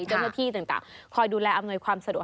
เจ้าหน้าที่ต่างคอยดูแลอำนวยความสะดวก